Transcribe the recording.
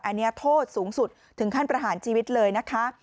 อันนี้โทษสูงสุดถึงขั้นประหารชีวิตเลยนะคะ